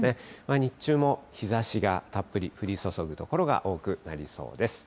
日中も日ざしがたっぷり降り注ぐ所が多くなりそうです。